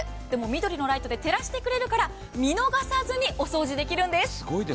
でも緑のライトで照らしてくれるから見逃さずにお掃除できるんです。